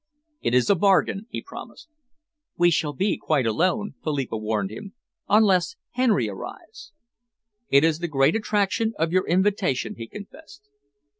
"It is a bargain," he promised. "We shall be quite alone," Philippa warned him, "unless Henry arrives." "It is the great attraction of your invitation," he confessed.